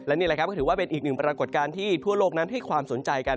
นี่แหละครับก็ถือว่าเป็นอีกหนึ่งปรากฏการณ์ที่ทั่วโลกนั้นให้ความสนใจกัน